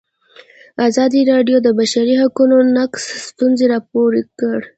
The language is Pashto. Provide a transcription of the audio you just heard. ازادي راډیو د د بشري حقونو نقض ستونزې راپور کړي.